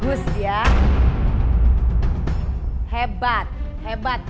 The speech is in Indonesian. aku kasih ke mama karena mamo udah balik lagi sama kita